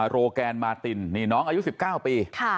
โรแกนตี้นน้องปี๑๙ปี